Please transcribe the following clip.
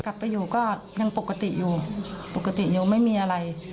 กลับไปอยู่ก็ยังปกติอยู่ปกติยังไม่มีอะไร